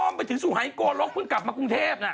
อ้อมไปถึงสู่ไฮกรกเพิ่งกลับมากรุงเทพฯ